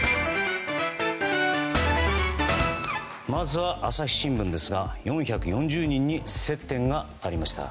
まずは朝日新聞ですが４４０人に接点がありました。